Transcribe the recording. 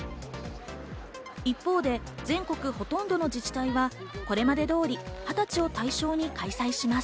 一方で全国ほとんどの自治体はこれまで通り二十歳を対象に開催します。